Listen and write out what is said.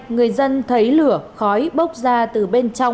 người dân thấy lửa khói bốc ra từ bên trong